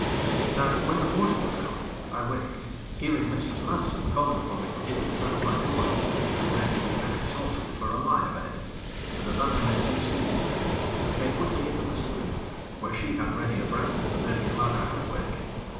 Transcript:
Now when the morning was come, I waked, hearing Mistress Madison calling upon me from the other side of my door, and rating me very saucily for a lie a bed, and at that I made good speed at dressing, and came quickly into the saloon, where she had ready a breakfast that made me glad I had waked.